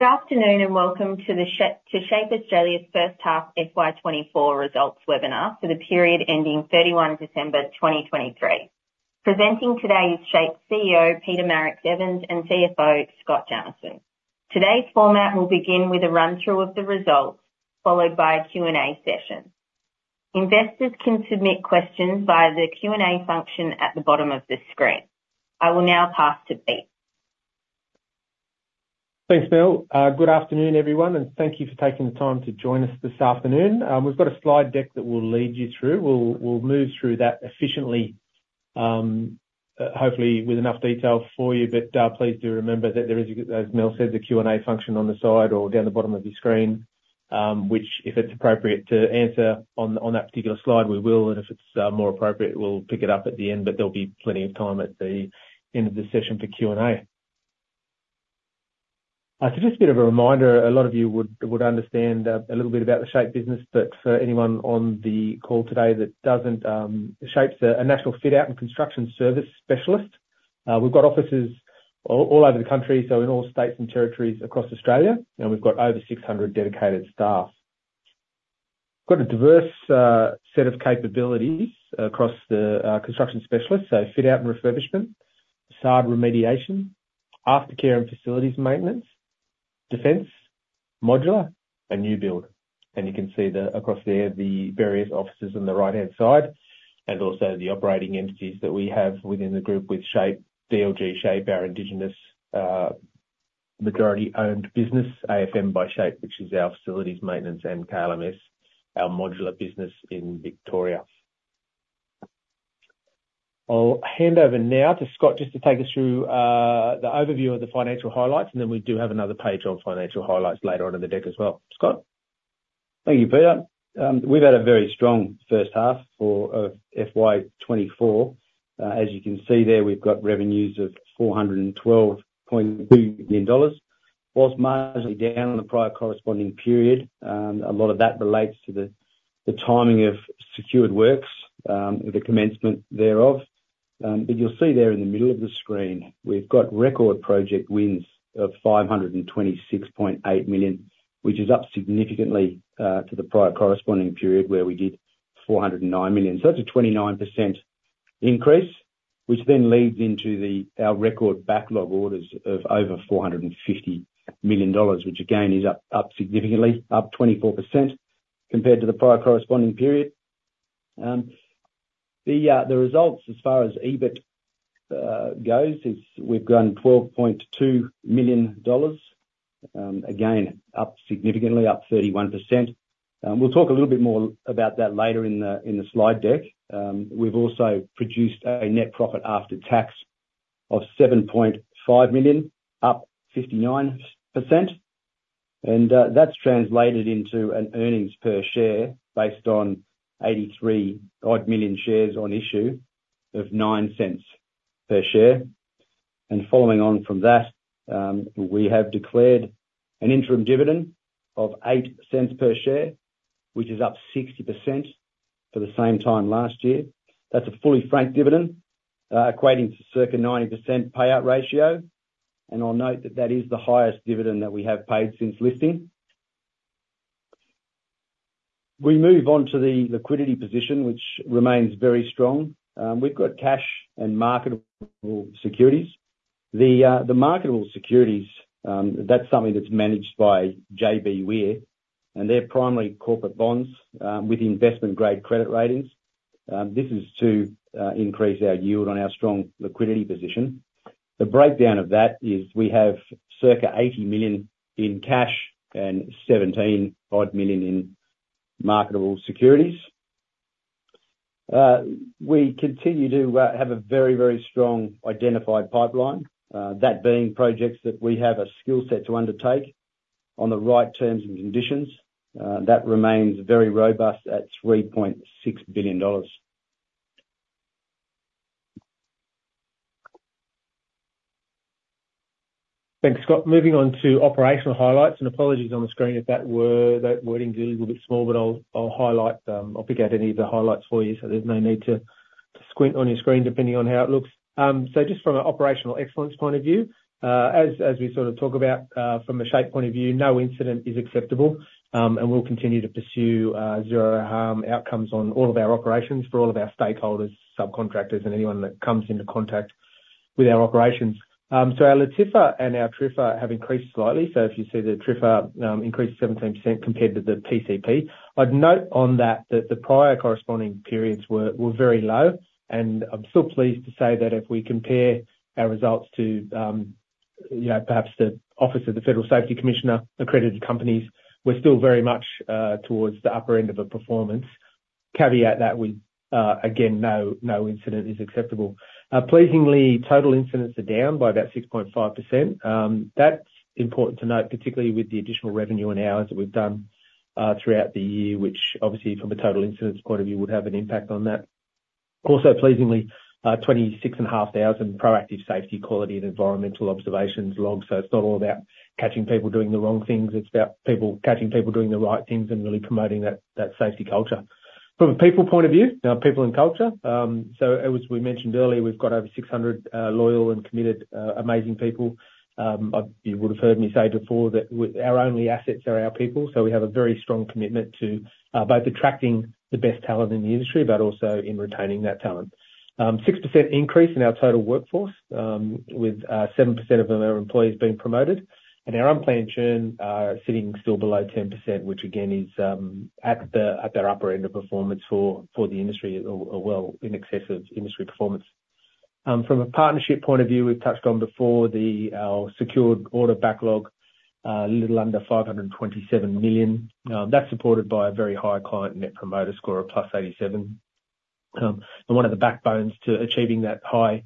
Good afternoon, and welcome to the SHAPE Australia's first half FY 2024 results webinar for the period ending 31 December 2023. Presenting today is SHAPE's CEO, Peter Marix-Evans, and CFO, Scott Jamieson. Today's format will begin with a run-through of the results, followed by a Q&A session. Investors can submit questions via the Q&A function at the bottom of the screen. I will now pass to Pete. Thanks, Mel. Good afternoon, everyone, and thank you for taking the time to join us this afternoon. We've got a slide deck that we'll lead you through. We'll move through that efficiently, hopefully with enough detail for you. But please do remember that there is, as Mel said, the Q&A function on the side or down the bottom of your screen, which, if it's appropriate to answer on that particular slide, we will, and if it's more appropriate, we'll pick it up at the end, but there'll be plenty of time at the end of the session for Q&A. So just a bit of a reminder, a lot of you would understand a little bit about the SHAPE business, but for anyone on the call today that doesn't, SHAPE's a national fit out and construction service specialist. We've got offices all over the country, so in all states and territories across Australia, and we've got over 600 dedicated staff. Got a diverse set of capabilities across the construction specialists, so fit out and refurbishment, facade remediation, aftercare and facilities maintenance, defense, modular, and new build. And you can see across there, the various offices on the right-hand side, and also the operating entities that we have within the group with SHAPE, DLG SHAPE, our Indigenous majority-owned business, AFM by SHAPE, which is our facilities maintenance, and KLMS, our modular business in Victoria. I'll hand over now to Scott, just to take us through the overview of the financial highlights, and then we do have another page on financial highlights later on in the deck as well. Scott? Thank you, Peter. We've had a very strong first half for FY 2024. As you can see there, we've got revenues of 412.2 billion dollars. While marginally down on the prior corresponding period, a lot of that relates to the timing of secured works, the commencement thereof. But you'll see there in the middle of the screen, we've got record project wins of 526.8 million, which is up significantly to the prior corresponding period, where we did 409 million. So that's a 29% increase, which then leads into our record backlog orders of over 450 million dollars, which again is up significantly, up 24% compared to the prior corresponding period. The results as far as EBIT goes is we've grown 12.2 million dollars, again, up significantly, up 31%. We'll talk a little bit more about that later in the slide deck. We've also produced a net profit after tax of 7.5 million, up 59%. That's translated into an earnings per share, based on 83 odd million shares on issue, of 0.09 per share. Following on from that, we have declared an interim dividend of 0.08 per share, which is up 60% for the same time last year. That's a fully franked dividend, equating to circa 90% payout ratio, and I'll note that that is the highest dividend that we have paid since listing. We move on to the liquidity position, which remains very strong. We've got cash and marketable securities. The marketable securities, that's something that's managed by JBWere, and they're primarily corporate bonds with investment-grade credit ratings. This is to increase our yield on our strong liquidity position. The breakdown of that is we have circa 80 million in cash and 17 odd million in marketable securities. We continue to have a very, very strong identified pipeline, that being projects that we have a skill set to undertake on the right terms and conditions. That remains very robust at 3.6 billion dollars. Thanks, Scott. Moving on to operational highlights, and apologies on the screen if that were- that wording's a little bit small, but I'll, I'll highlight them. I'll pick out any of the highlights for you, so there's no need to, to squint on your screen, depending on how it looks. So just from an operational excellence point of view, as, as we sort of talk about, from a SHAPE point of view, no incident is acceptable, and we'll continue to pursue zero harm outcomes on all of our operations for all of our stakeholders, subcontractors, and anyone that comes into contact with our operations. So our LTIFR and our TRIFR have increased slightly. So if you see the TRIFR, increased 17% compared to the PCP. I'd note on that, that the prior corresponding periods were very low, and I'm still pleased to say that if we compare our results to, you know, perhaps the Office of the Federal Safety Commissioner accredited companies, we're still very much towards the upper end of the performance. Caveat that with, again, no incident is acceptable. Pleasingly, total incidents are down by about 6.5%. That's important to note, particularly with the additional revenue and hours that we've done throughout the year, which obviously from a total incidents point of view, would have an impact on that. Also, pleasingly, 26,500 proactive safety, quality, and environmental observations logged. So it's not all about catching people doing the wrong things, it's about people catching people doing the right things and really promoting that safety culture. From a people point of view, our people and culture, so as we mentioned earlier, we've got over 600 loyal and committed amazing people. You would have heard me say before, that our only assets are our people, so we have a very strong commitment to both attracting the best talent in the industry, but also in retaining that talent. 6% increase in our total workforce, with 7% of them are employees being promoted, and our unplanned churn sitting still below 10%, which again is at the upper end of performance for the industry, well, in excess of industry performance. From a partnership point of view, we've touched on before our secured order backlog, a little under 527 million. That's supported by a very high client net promoter score of +87. And one of the backbones to achieving that high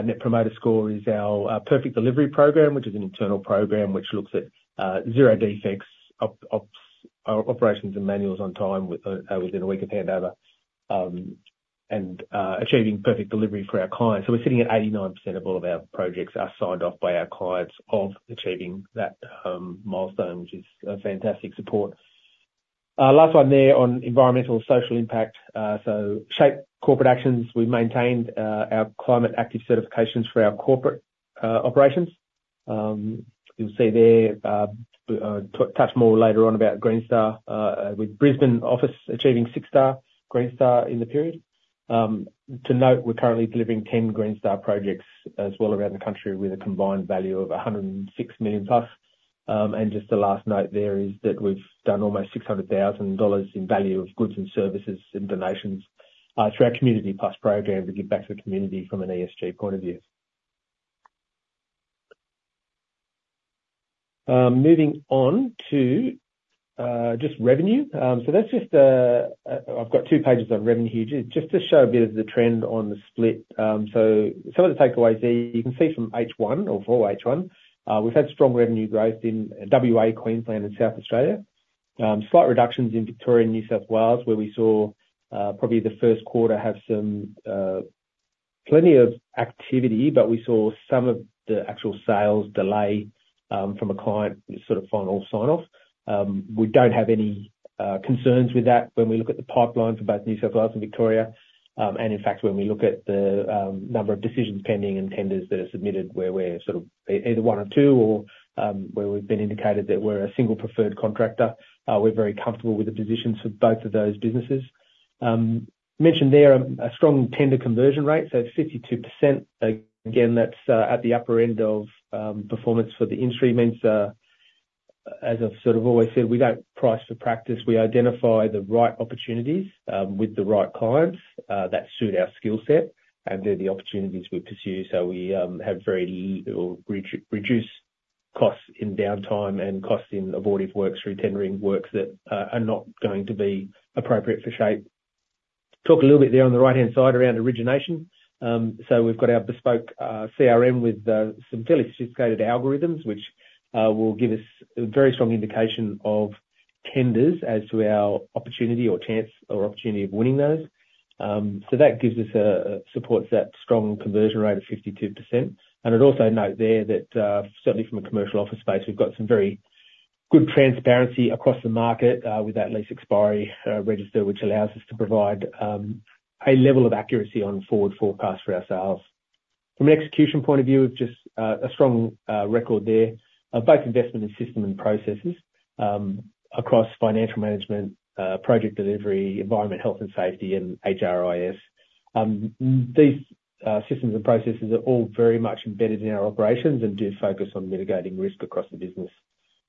net promoter score is our Perfect Delivery program, which is an internal program which looks at zero defects, operations, and manuals on time within a week of handover, and achieving perfect delivery for our clients. So we're sitting at 89% of all of our projects are signed off by our clients of achieving that milestone, which is a fantastic support. Last one there on environmental and social impact. So SHAPE corporate actions. We've maintained our Climate Active certifications for our corporate operations. You'll see there touch more later on about Green Star with Brisbane office achieving six-star Green Star in the period. To note, we're currently delivering 10 Green Star projects as well around the country, with a combined value of 106 million+. And just the last note there is that we've done almost 600,000 dollars in value of goods and services and donations through our Community+ program, to give back to the community from an ESG point of view. Moving on to just revenue. So that's just... I've got two pages on revenue here, just to show a bit of the trend on the split. So some of the takeaways there, you can see from H1 or full H1, we've had strong revenue growth in WA, Queensland and South Australia. Slight reductions in Victoria and New South Wales, where we saw probably the first quarter have some plenty of activity, but we saw some of the actual sales delay from a client sort of final sign-off. We don't have any concerns with that when we look at the pipeline for both New South Wales and Victoria. And in fact, when we look at the number of decisions pending and tenders that are submitted, where we're sort of either one of two, or where we've been indicated that we're a single preferred contractor, we're very comfortable with the positions of both of those businesses. Mentioned there a strong tender conversion rate, so 52%. Again, that's at the upper end of performance for the industry. Means, as I've sort of always said, we don't price for practice. We identify the right opportunities with the right clients that suit our skill set, and they're the opportunities we pursue. So we have very little reduced costs in downtime and costs in avoidable works, through tendering works that are not going to be appropriate for SHAPE. Talk a little bit there on the right-hand side around origination. So we've got our bespoke CRM with some fairly sophisticated algorithms, which will give us a very strong indication of tenders as to our opportunity or chance, or opportunity of winning those. So that supports that strong conversion rate of 52%. And I'd also note there, that, certainly from a commercial office space, we've got some very good transparency across the market, with that lease expiry, register, which allows us to provide, a level of accuracy on forward forecast for ourselves. From an execution point of view, just, a strong, record there, both investment and system and processes, across financial management, project delivery, environment, health and safety, and HRIS. These, systems and processes are all very much embedded in our operations, and do focus on mitigating risk across the business.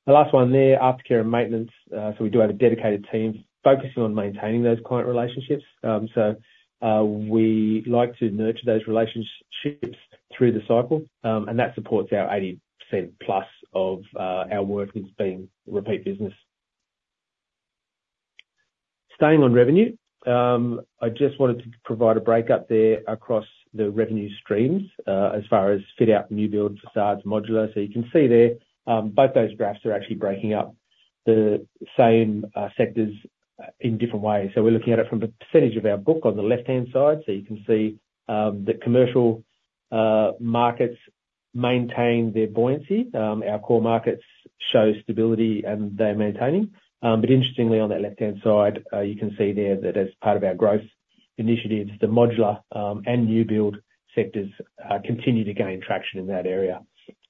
The last one there, aftercare and maintenance. So we do have a dedicated team focusing on maintaining those client relationships. So, we like to nurture those relationships through the cycle, and that supports our 80% plus of, our work as being repeat business. Staying on revenue, I just wanted to provide a break-up there across the revenue streams, as far as fit-out, new builds, facades, modular. So you can see there, both those graphs are actually breaking up the same sectors in different ways. So we're looking at it from the percentage of our book on the left-hand side. So you can see that commercial markets maintain their buoyancy. Our core markets show stability, and they're maintaining. But interestingly, on that left-hand side, you can see there that as part of our growth initiatives, the modular and new build sectors continue to gain traction in that area.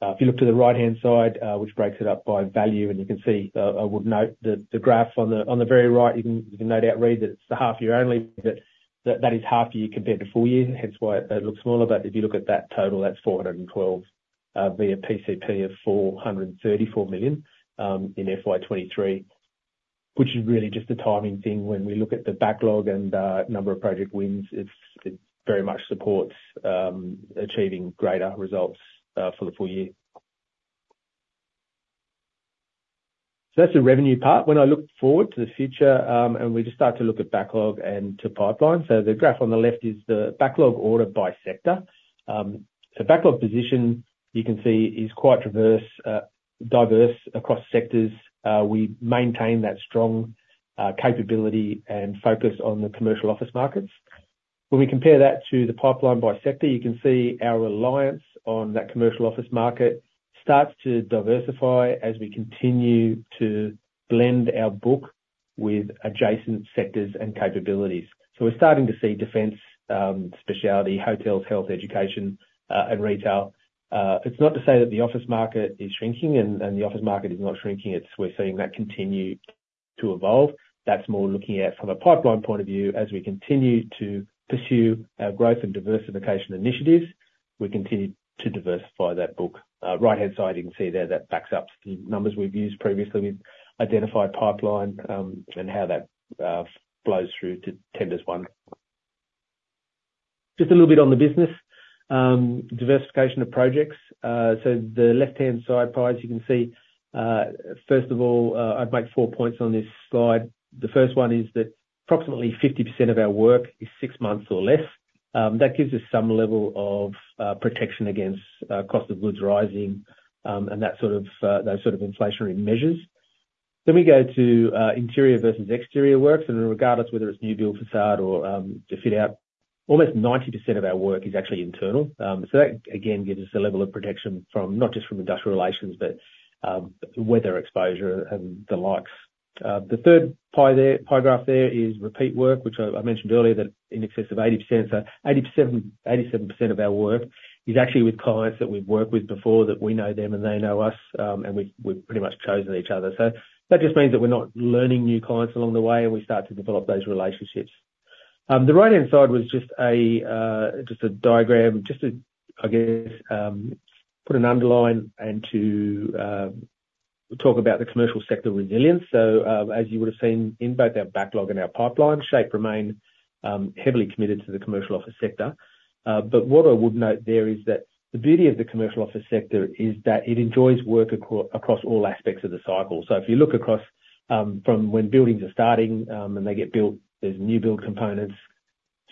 If you look to the right-hand side, which breaks it up by value, and you can see, I would note that the graph on the, on the very right, you can no doubt read that it's the half year only, but that is half year compared to full year, hence why it looks smaller. But if you look at that total, that's 412 million via PCP of 434 million in FY 2023, which is really just a timing thing. When we look at the backlog and number of project wins, it very much supports achieving greater results for the full year. So that's the revenue part. When I look forward to the future, and we just start to look at backlog and to pipeline. So the graph on the left is the backlog order by sector. Backlog position, you can see, is quite diverse across sectors. We maintain that strong capability and focus on the commercial office markets. When we compare that to the pipeline by sector, you can see our reliance on that commercial office market starts to diversify as we continue to blend our book with adjacent sectors and capabilities. So we're starting to see defense, specialty, hotels, health, education, and retail. It's not to say that the office market is shrinking and the office market is not shrinking, it's we're seeing that continue to evolve. That's more looking at from a pipeline point of view. As we continue to pursue our growth and diversification initiatives, we continue to diversify that book. Right-hand side, you can see there, that backs up the numbers we've used previously. We've identified pipeline, and how that flows through to tenders won. Just a little bit on the business diversification of projects. So the left-hand side pies, you can see, first of all, I'd make 4 points on this slide. The first one is that approximately 50% of our work is 6 months or less. That gives us some level of protection against cost of goods rising, and that sort of those sort of inflationary measures. Then we go to interior versus exterior works, and regardless whether it's new build facade or to fit out, almost 90% of our work is actually internal. So that, again, gives us a level of protection from, not just from industrial relations, but, weather exposure and the likes. The third pie there, pie graph there is repeat work, which I mentioned earlier that in excess of 80%, so 87, 87% of our work is actually with clients that we've worked with before, that we know them and they know us, and we've pretty much chosen each other. So that just means that we're not learning new clients along the way, and we start to develop those relationships. The right-hand side was just a, just a diagram, just to, I guess, put an underline and to, talk about the commercial sector resilience. So, as you would have seen in both our backlog and our pipeline, SHAPE remains heavily committed to the commercial office sector. But what I would note there is that the beauty of the commercial office sector is that it enjoys work across all aspects of the cycle. So if you look across, from when buildings are starting, and they get built, there's new build components,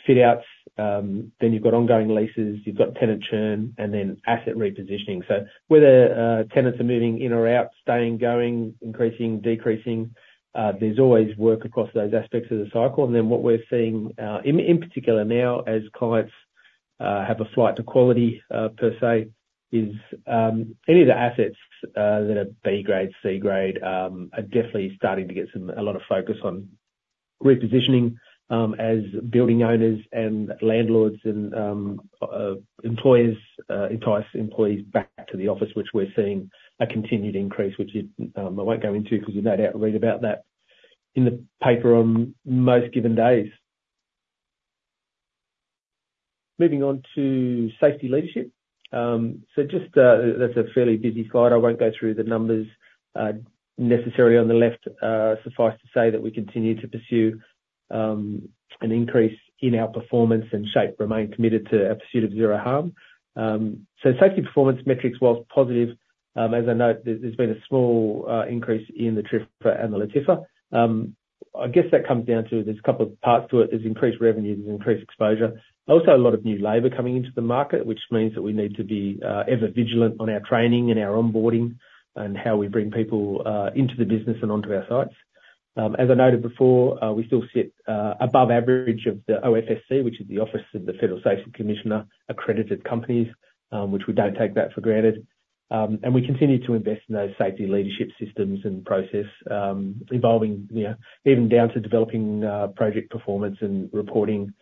fit outs, then you've got ongoing leases, you've got tenant churn, and then asset repositioning. So whether tenants are moving in or out, staying, going, increasing, decreasing, there's always work across those aspects of the cycle. And then what we're seeing, in particular now, as clients have a flight to quality, per se, is any of the assets that are B grade, C grade, are definitely starting to get a lot of focus on repositioning, as building owners and landlords and employers entice employees back to the office, which we're seeing a continued increase, which is, I won't go into, because you no doubt read about that in the paper on most given days. Moving on to safety leadership. So just, that's a fairly busy slide. I won't go through the numbers necessarily on the left. Suffice to say that we continue to pursue an increase in our performance, and SHAPE remain committed to our pursuit of zero harm. So safety performance metrics, while positive, as I note, there's been a small increase in the TRIFR and the LTIFR. I guess that comes down to there's a couple of parts to it. There's increased revenue, there's increased exposure. Also, a lot of new labor coming into the market, which means that we need to be ever vigilant on our training and our onboarding, and how we bring people into the business and onto our sites. As I noted before, we still sit above average of the OFSC, which is the Office of the Federal Safety Commissioner, accredited companies, which we don't take that for granted. And we continue to invest in those safety leadership systems and process, involving, you know, even down to developing project performance and reporting,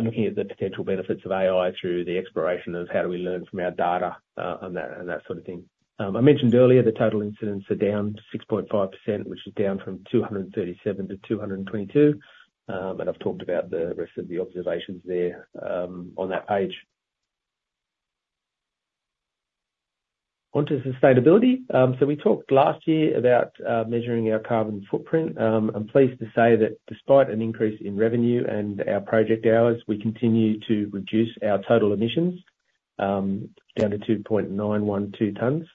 looking at the potential benefits of AI through the exploration of how do we learn from our data, and that, and that sort of thing. I mentioned earlier the total incidents are down 6.5%, which is down from 237 to 222. And I've talked about the rest of the observations there on that page. On to sustainability. So we talked last year about measuring our carbon footprint. I'm pleased to say that despite an increase in revenue and our project hours, we continue to reduce our total emissions down to 2.912 tons.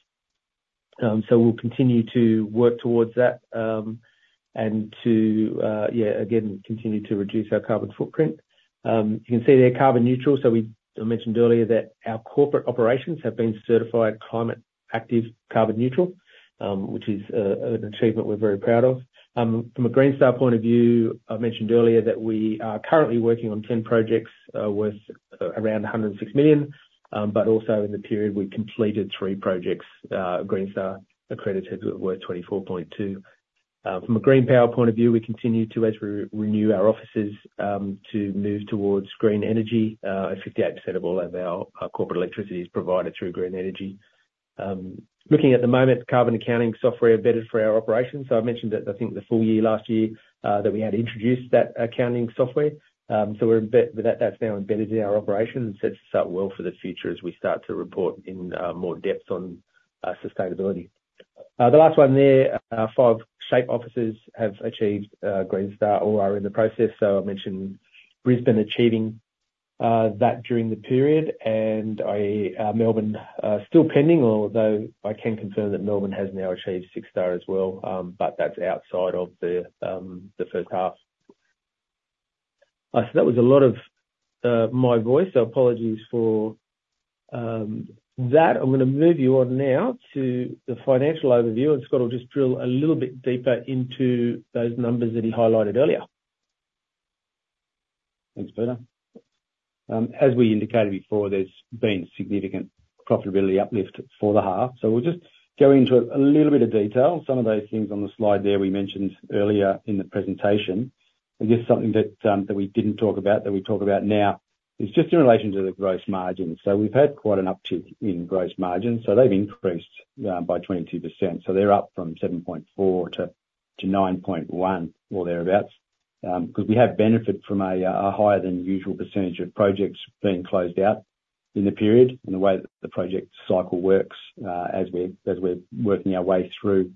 So we'll continue to work towards that, and to, yeah, again, continue to reduce our carbon footprint. You can see there, carbon neutral. So we, I mentioned earlier that our corporate operations have been certified Climate Active carbon neutral, which is, an achievement we're very proud of. From a Green Star point of view, I mentioned earlier that we are currently working on 10 projects, worth around 106 million. But also in the period, we completed three projects, Green Star accredited, worth 24.2 million. From a green power point of view, we continue to, as we renew our offices, to move towards green energy. And 58% of all of our corporate electricity is provided through green energy. Looking at the moment, carbon accounting software embedded for our operations. So I mentioned that, I think the full year last year, that we had introduced that accounting software. So we're embedded with that, that's now embedded in our operations and sets us up well for the future as we start to report in more depth on sustainability. The last one there, five SHAPE offices have achieved Green Star or are in the process. So I mentioned Brisbane achieving that during the period, and Melbourne still pending, although I can confirm that Melbourne has now achieved six-star as well. But that's outside of the first half. So that was a lot of my voice. So apologies for that. I'm gonna move you on now to the financial overview, and Scott will just drill a little bit deeper into those numbers that he highlighted earlier.... Thanks, Peter. As we indicated before, there's been significant profitability uplift for the half. So we'll just go into a little bit of detail. Some of those things on the slide there we mentioned earlier in the presentation, but just something that we didn't talk about, that we talk about now, is just in relation to the gross margin. So we've had quite an uptick in gross margin, so they've increased by 22%. So they're up from 7.4 to 9.1 or thereabouts. 'Cause we have benefit from a higher than usual percentage of projects being closed out in the period, and the way that the project cycle works, as we're working our way through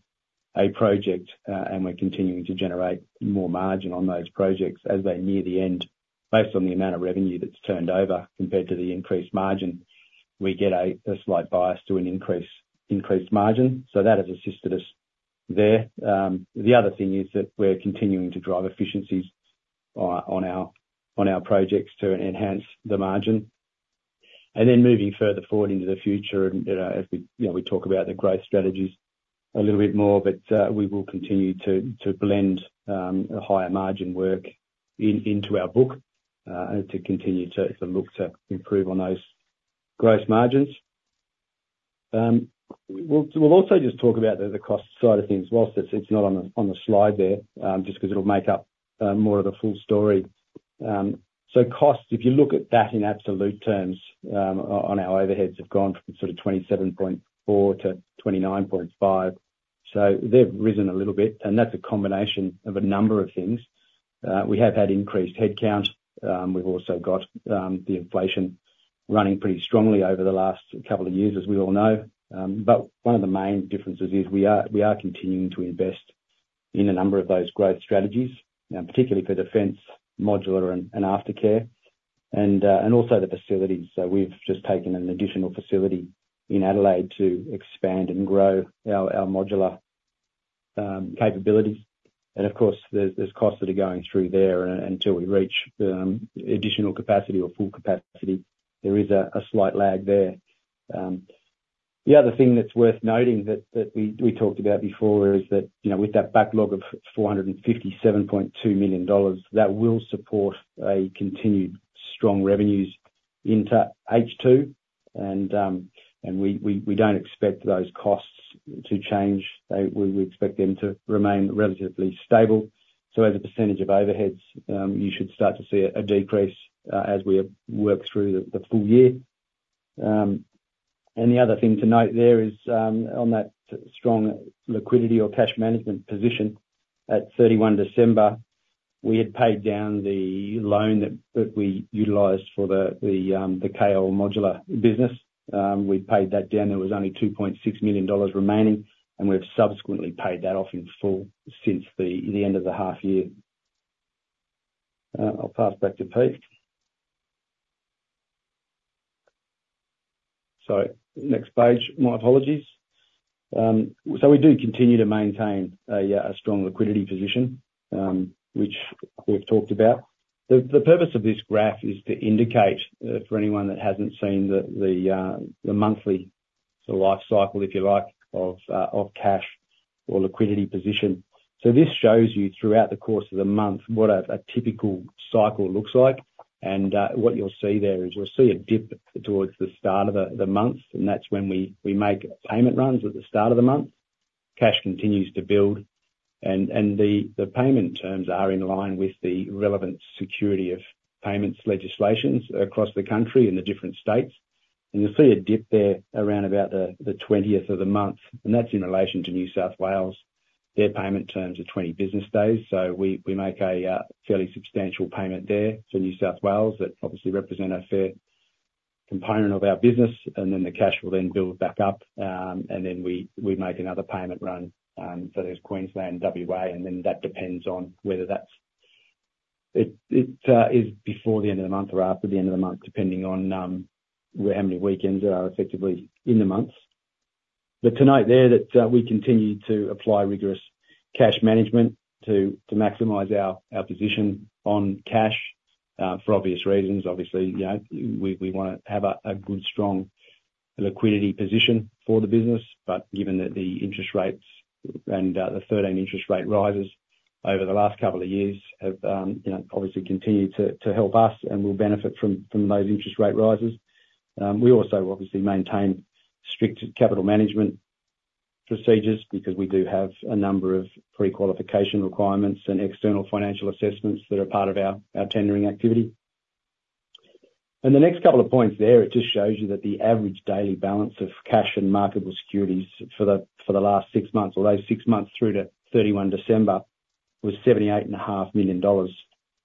a project, and we're continuing to generate more margin on those projects as they near the end. Based on the amount of revenue that's turned over compared to the increased margin, we get a slight bias to an increase, increased margin. So that has assisted us there. The other thing is that we're continuing to drive efficiencies on our projects to enhance the margin. And then moving further forward into the future, and, you know, as we, you know, we talk about the growth strategies a little bit more, but we will continue to blend a higher margin work in into our book and to continue to look to improve on those gross margins. We'll also just talk about the cost side of things, while it's not on the slide there, just 'cause it'll make up more of the full story. So costs, if you look at that in absolute terms, on our overheads, have gone from sort of 27.4-29.5. So they've risen a little bit, and that's a combination of a number of things. We have had increased headcount, we've also got the inflation running pretty strongly over the last couple of years, as we all know. But one of the main differences is we are continuing to invest in a number of those growth strategies, particularly for defense, modular, and aftercare, and also the facilities. So we've just taken an additional facility in Adelaide to expand and grow our modular capabilities. And of course, there's costs that are going through there until we reach the additional capacity or full capacity. There is a slight lag there. The other thing that's worth noting that we talked about before is that, you know, with that backlog of 457.2 million dollars, that will support continued strong revenues into H2. And we don't expect those costs to change. We expect them to remain relatively stable. So as a percentage of overheads, you should start to see a decrease as we work through the full year. And the other thing to note there is on that strong liquidity or cash management position, at 31 December, we had paid down the loan that we utilized for the KL Modular business. We paid that down. There was only 2.6 million dollars remaining, and we've subsequently paid that off in full since the end of the half year. I'll pass back to Pete. Sorry, next page. My apologies. So we do continue to maintain a strong liquidity position, which we've talked about. The purpose of this graph is to indicate, for anyone that hasn't seen the monthly sort of life cycle, if you like, of cash or liquidity position. So this shows you throughout the course of the month, what a typical cycle looks like. And what you'll see there is, you'll see a dip towards the start of the month, and that's when we make payment runs at the start of the month. Cash continues to build and the payment terms are in line with the relevant security of payments legislations across the country in the different states. You'll see a dip there around about the 20th of the month, and that's in relation to New South Wales. Their payment terms are 20 business days, so we make a fairly substantial payment there to New South Wales that obviously represent a fair component of our business, and then the cash will then build back up, and then we make another payment run, so there's Queensland, WA, and then that depends on whether that's. It is before the end of the month or after the end of the month, depending on, well, how many weekends there are effectively in the month. But we continue to apply rigorous cash management to maximize our position on cash for obvious reasons. Obviously, you know, we wanna have a good, strong liquidity position for the business, but given that the interest rates and the 13 interest rate rises over the last couple of years have, you know, obviously continued to help us and will benefit from those interest rate rises. We also obviously maintain strict capital management procedures because we do have a number of prequalification requirements and external financial assessments that are part of our tendering activity. The next couple of points there, it just shows you that the average daily balance of cash and marketable securities for the, for the last six months, or those six months through to 31 December, was AUD 78.5 million.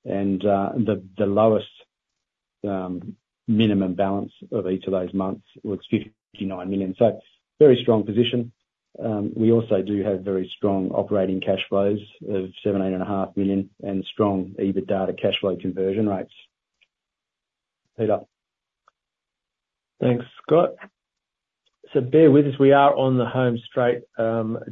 And the lowest minimum balance of each of those months was AUD 59 million. So very strong position. We also do have very strong operating cash flows of 78.5 million, and strong EBITDA to cash flow conversion rates. Peter? Thanks, Scott.... So bear with us, we are on the home straight.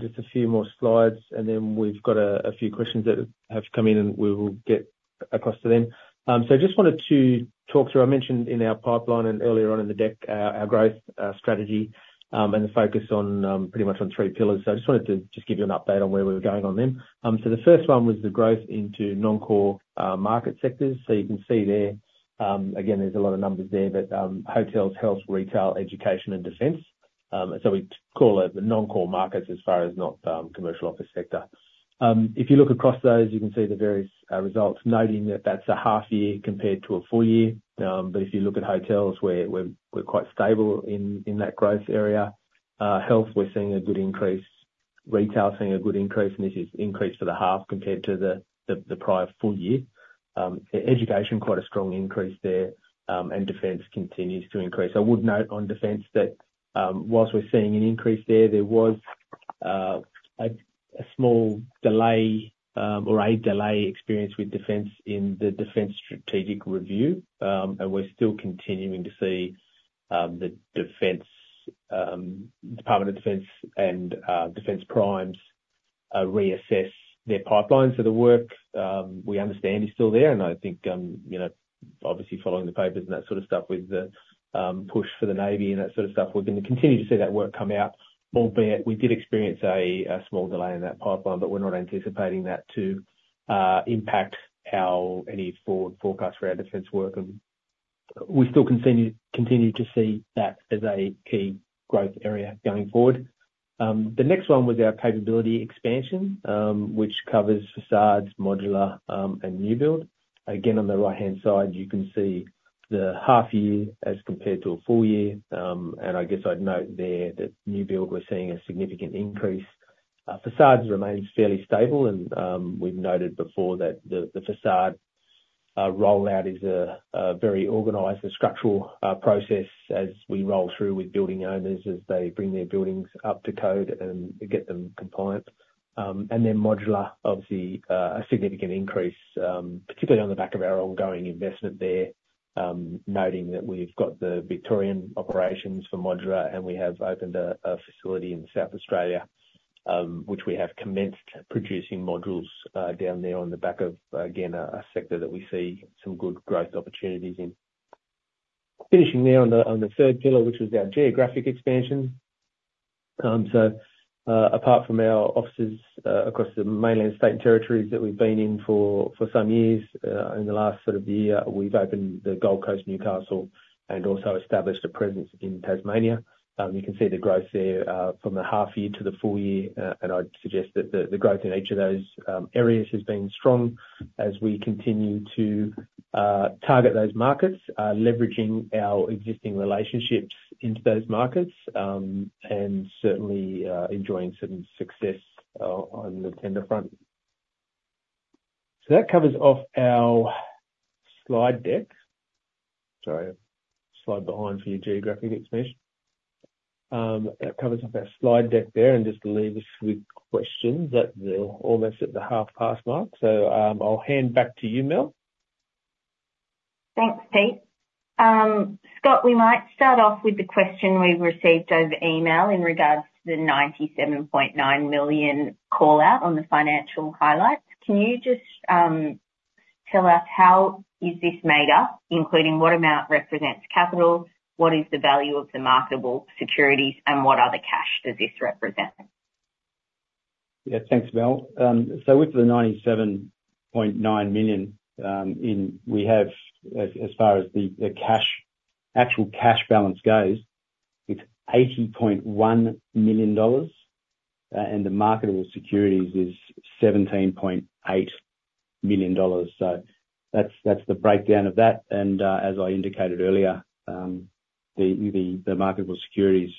Just a few more slides, and then we've got a few questions that have come in, and we will get across to them. So I just wanted to talk through, I mentioned in our pipeline and earlier on in the deck, our growth strategy, and the focus on pretty much on three pillars. So I just wanted to just give you an update on where we were going on them. So the first one was the growth into non-core market sectors. So you can see there, again, there's a lot of numbers there, but, hotels, health, retail, education, and defense. So we call it the non-core markets as far as not commercial office sector. If you look across those, you can see the various results, noting that that's a half year compared to a full year. But if you look at hotels, we're quite stable in that growth area. Health, we're seeing a good increase. Retail, seeing a good increase, and this is increased for the half compared to the prior full year. Education, quite a strong increase there. And defense continues to increase. I would note on defense that, whilst we're seeing an increase there, there was a small delay, or a delay experienced with defense in the Defence Strategic Review. And we're still continuing to see the defense Department of Defense and defense primes reassess their pipelines for the work. We understand it's still there, and I think, you know, obviously following the papers and that sort of stuff, with the push for the Navy and that sort of stuff, we're going to continue to see that work come out, albeit we did experience a small delay in that pipeline, but we're not anticipating that to impact our any forward forecast for our defense work. And we still continue to see that as a key growth area going forward. The next one was our capability expansion, which covers facades, modular, and new build. Again, on the right-hand side, you can see the half year as compared to a full year. And I guess I'd note there that new build, we're seeing a significant increase. Facades remains fairly stable, and we've noted before that the facade rollout is a very organized and structural process as we roll through with building owners, as they bring their buildings up to code and get them compliant. And then modular, obviously, a significant increase, particularly on the back of our ongoing investment there. Noting that we've got the Victorian operations for modular, and we have opened a facility in South Australia, which we have commenced producing modules down there on the back of, again, a sector that we see some good growth opportunities in. Finishing now on the third pillar, which is our geographic expansion. So, apart from our offices, across the mainland state and territories that we've been in for some years, in the last sort of year, we've opened the Gold Coast, Newcastle, and also established a presence in Tasmania. You can see the growth there from the half year to the full year. And I'd suggest that the growth in each of those areas has been strong as we continue to target those markets, leveraging our existing relationships into those markets, and certainly enjoying some success on the tender front. So that covers off our slide deck. Sorry, a slide behind for your geographic expansion. That covers off our slide deck there, and just leave us with questions, that we're almost at the half past mark, so I'll hand back to you, Mel. Thanks, Pete. Scott, we might start off with the question we've received over email in regards to the 97.9 million call-out on the financial highlights. Can you just tell us how is this made up, including what amount represents capital? What is the value of the marketable securities, and what other cash does this represent? Yeah. Thanks, Mel. So with the 97.9 million, we have, as far as the cash, actual cash balance goes, it's 80.1 million dollars, and the marketable securities is 17.8 million dollars. So that's the breakdown of that, and, as I indicated earlier, the marketable securities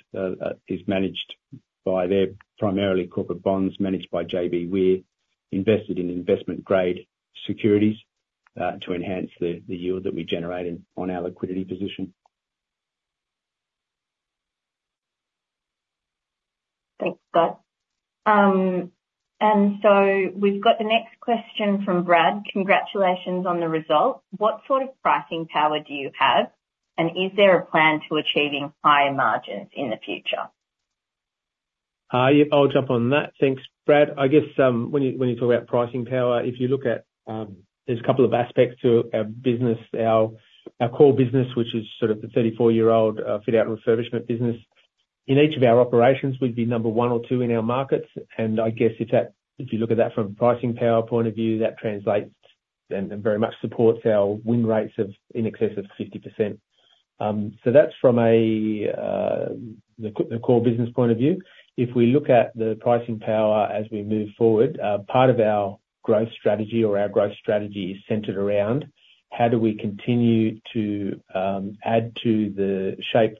is managed by their. Primarily corporate bonds managed by JBWere. We're invested in investment-grade securities, to enhance the yield that we generate on our liquidity position. Thanks, Scott. And so we've got the next question from Brad: Congratulations on the result. What sort of pricing power do you have, and is there a plan to achieving higher margins in the future? Yeah, I'll jump on that. Thanks, Brad. I guess, when you talk about pricing power, if you look at, there's a couple of aspects to our business. Our core business, which is sort of the 34-year-old fit out and refurbishment business. In each of our operations, we'd be number 1 or 2 in our markets, and I guess if you look at that from a pricing power point of view, that translates and very much supports our win rates of in excess of 50%. So that's from the core business point of view. If we look at the pricing power as we move forward, part of our growth strategy or our growth strategy is centered around how do we continue to add to the SHAPE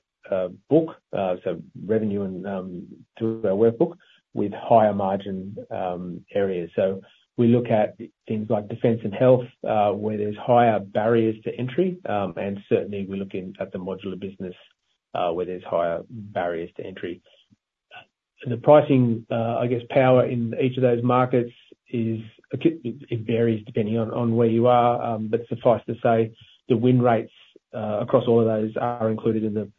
book, so revenue and through our work book with higher margin areas. So we look at things like defense and health, where there's higher barriers to entry, and certainly we're looking at the modular business, where there's higher barriers to entry.... And the pricing, I guess, power in each of those markets is. It varies depending on where you are. But suffice to say, the win rates across all of those are included in the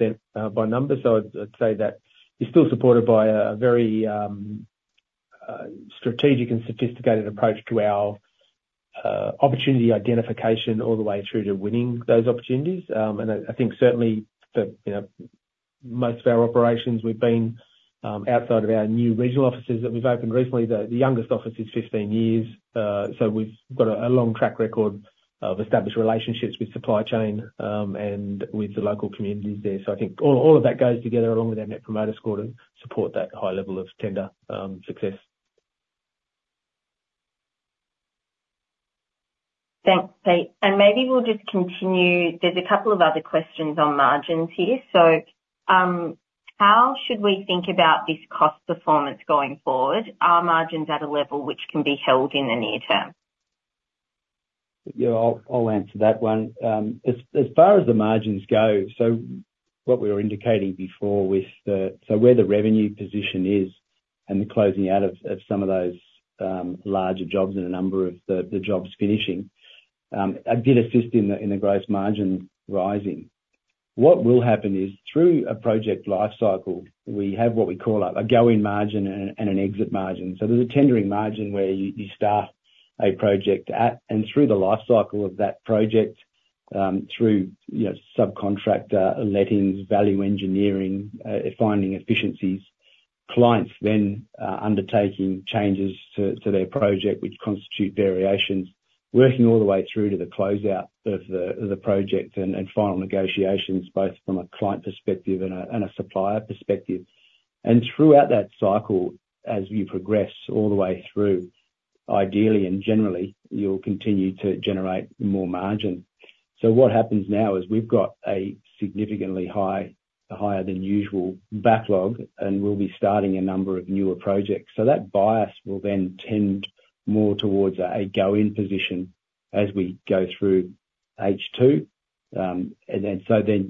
52% by number. So I'd say that it's still supported by a very strategic and sophisticated approach to our opportunity identification, all the way through to winning those opportunities. And I think certainly for, you know, most of our operations, we've been outside of our new regional offices that we've opened recently. The youngest office is 15 years. So we've got a long track record of established relationships with supply chain and with the local communities there. So I think all of that goes together along with our Net Promoter Score, to support that high level of tender success. Thanks, Pete. And maybe we'll just continue... There's a couple of other questions on margins here. So, how should we think about this cost performance going forward? Are margins at a level which can be held in the near term? Yeah, I'll answer that one. As far as the margins go, so what we were indicating before with—so where the revenue position is, and the closing out of some of those larger jobs and a number of the jobs finishing, it did assist in the gross margin rising. What will happen is, through a project life cycle, we have what we call a go-in margin and an exit margin. So there's a tendering margin where you start a project at, and through the life cycle of that project, through, you know, subcontractor lettings, value engineering, finding efficiencies, clients then undertaking changes to their project, which constitute variations. Working all the way through to the closeout of the project and final negotiations, both from a client perspective and a supplier perspective. And throughout that cycle, as you progress all the way through, ideally and generally, you'll continue to generate more margin. So what happens now is we've got a significantly higher than usual backlog, and we'll be starting a number of newer projects. So that bias will then tend more towards a go-in position as we go through H2. And then,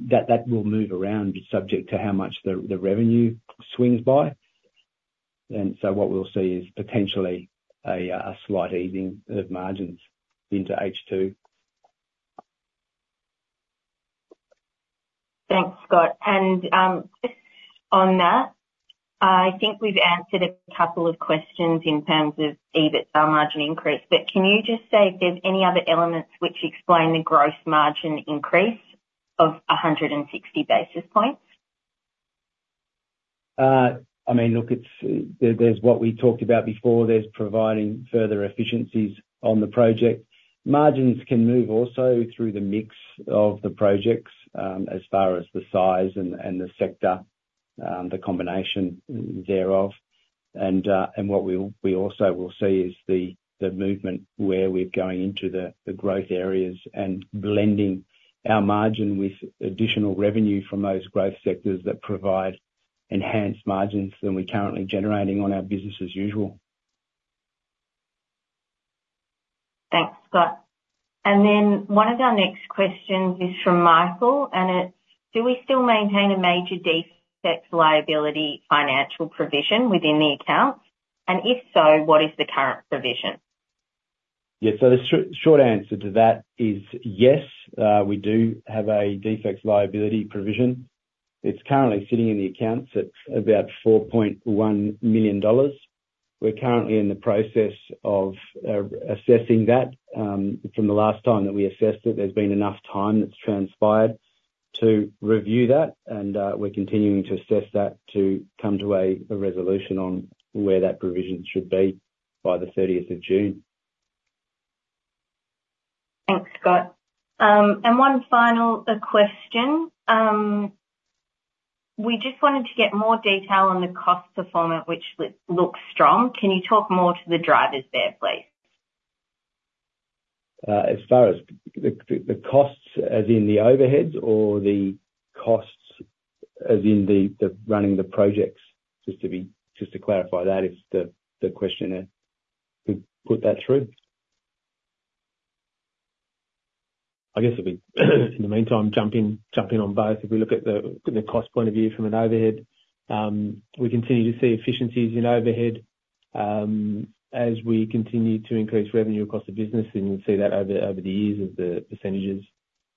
that will move around, subject to how much the revenue swings by. And so what we'll see is potentially a slight easing of margins into H2. Thanks, Scott. Just on that, I think we've answered a couple of questions in terms of EBIT, our margin increase. But can you just say if there's any other elements which explain the gross margin increase of 160 basis points? I mean, look, it's, there's what we talked about before. There's providing further efficiencies on the project. Margins can move also through the mix of the projects, as far as the size and the sector, the combination thereof. And what we also will see is the movement where we're going into the growth areas, and blending our margin with additional revenue from those growth sectors that provide enhanced margins than we're currently generating on our business as usual. Thanks, Scott. Then one of our next questions is from Michael, and it's: Do we still maintain a major defects liability financial provision within the accounts? And if so, what is the current provision? Yeah, so the short answer to that is yes, we do have a defects liability provision. It's currently sitting in the accounts at about 4.1 million dollars. We're currently in the process of assessing that. From the last time that we assessed it, there's been enough time that's transpired to review that, and we're continuing to assess that to come to a resolution on where that provision should be by the thirtieth of June. Thanks, Scott. One final question. We just wanted to get more detail on the cost performance, which looks strong. Can you talk more to the drivers there, please? As far as the costs, as in the overheads, or the costs as in the running the projects? Just to clarify that, if the questioner could put that through. I guess if we in the meantime, jumping on both. If we look at the cost point of view from an overhead, we continue to see efficiencies in overhead, as we continue to increase revenue across the business, and you'll see that over the years, as the percentages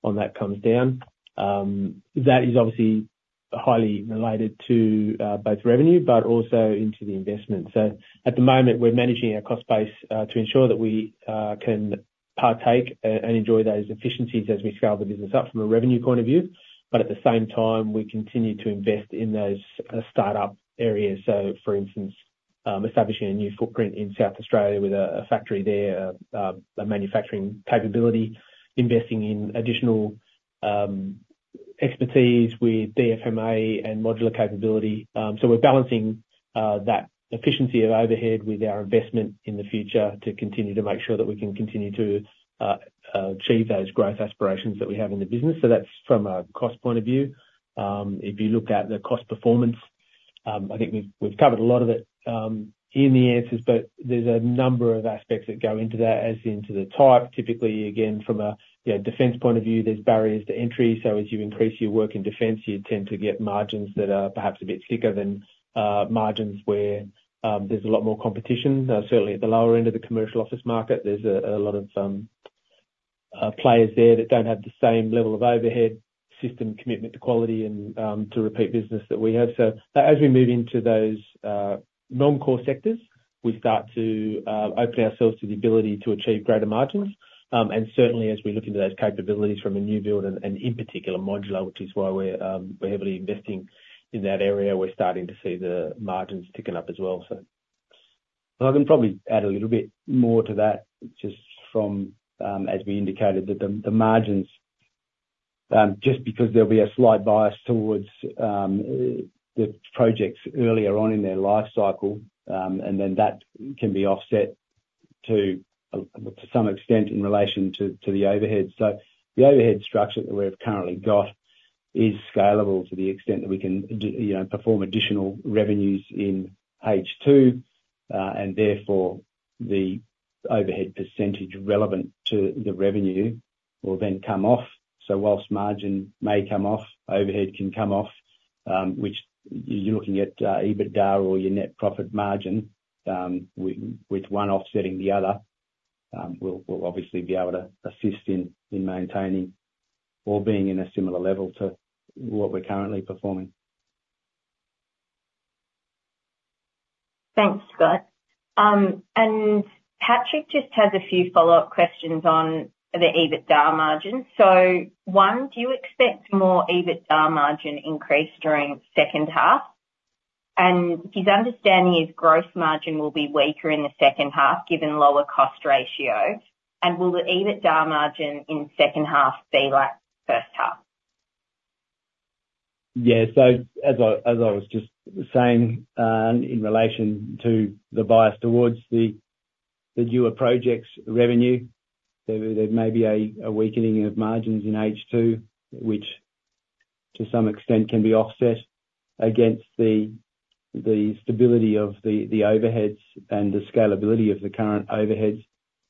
on that comes down. That is obviously highly related to both revenue, but also into the investment. So at the moment, we're managing our cost base, to ensure that we can partake and enjoy those efficiencies as we scale the business up from a revenue point of view. But at the same time, we continue to invest in those startup areas. So for instance, establishing a new footprint in South Australia with a factory there, a manufacturing capability. Investing in additional expertise with DFMA and modular capability. So we're balancing that efficiency of overhead with our investment in the future, to continue to make sure that we can continue to achieve those growth aspirations that we have in the business. So that's from a cost point of view. If you look at the cost performance-... I think we've covered a lot of it in the answers, but there's a number of aspects that go into that, as into the type. Typically, again, from a you know, defense point of view, there's barriers to entry, so as you increase your work in defense, you tend to get margins that are perhaps a bit thicker than margins where there's a lot more competition. Certainly at the lower end of the commercial office market, there's a lot of players there that don't have the same level of overhead system commitment to quality and to repeat business that we have. So as we move into those non-core sectors, we start to open ourselves to the ability to achieve greater margins. And certainly as we look into those capabilities from a new build and in particular, modular, which is why we're heavily investing in that area, we're starting to see the margins thicken up as well, so. Well, I can probably add a little bit more to that, just from, as we indicated, that the margins, just because there'll be a slight bias towards the projects earlier on in their life cycle, and then that can be offset to some extent in relation to the overhead. So the overhead structure that we've currently got is scalable to the extent that we can, you know, perform additional revenues in H2. And therefore, the overhead percentage relevant to the revenue will then come off. So whilst margin may come off, overhead can come off, which you're looking at, EBITDA or your net profit margin, with one offsetting the other, we'll obviously be able to assist in maintaining or being in a similar level to what we're currently performing. Thanks, Scott. And Patrick just has a few follow-up questions on the EBITDA margin. So one, do you expect more EBITDA margin increase during second half? And his understanding is gross margin will be weaker in the second half, given lower cost ratio. And will the EBITDA margin in second half be like first half? Yeah. So as I was just saying, in relation to the bias towards the newer projects' revenue, there may be a weakening of margins in H2, which to some extent can be offset against the stability of the overheads and the scalability of the current overheads.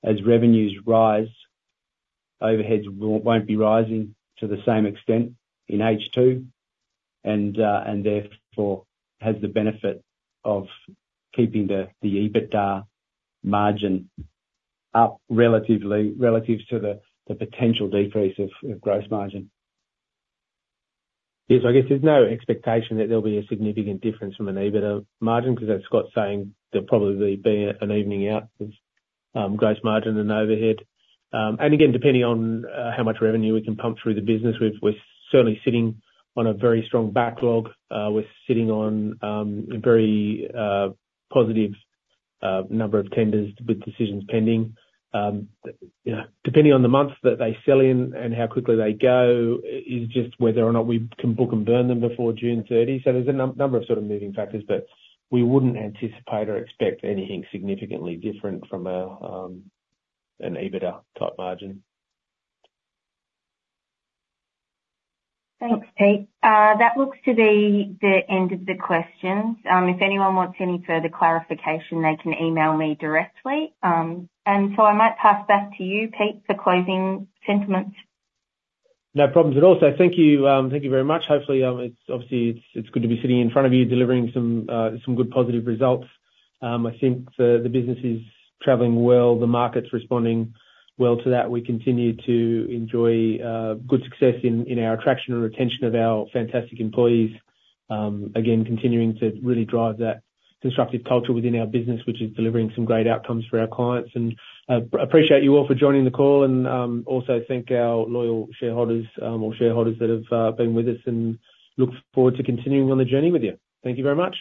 As revenues rise, overheads won't be rising to the same extent in H2, and therefore has the benefit of keeping the EBITDA margin up relatively relative to the potential decrease of gross margin. Yes, I guess there's no expectation that there'll be a significant difference from an EBITDA margin, 'cause as Scott's saying, there'll probably be an evening out of gross margin and overhead. And again, depending on how much revenue we can pump through the business, we're certainly sitting on a very strong backlog. We're sitting on a very positive number of tenders with decisions pending. You know, depending on the months that they sell in and how quickly they go, is just whether or not we can book and burn them before June 30. So there's a number of sort of moving factors, but we wouldn't anticipate or expect anything significantly different from an EBITDA-type margin. Thanks, Pete. That looks to be the end of the questions. If anyone wants any further clarification, they can email me directly. I might pass back to you, Pete, for closing sentiments. No problems at all. So thank you, thank you very much. Hopefully, it's obviously good to be sitting in front of you, delivering some good, positive results. I think the business is traveling well. The market's responding well to that. We continue to enjoy good success in our attraction and retention of our fantastic employees. Again, continuing to really drive that constructive culture within our business, which is delivering some great outcomes for our clients. Appreciate you all for joining the call, and also thank our loyal shareholders, or shareholders that have been with us, and look forward to continuing on the journey with you. Thank you very much.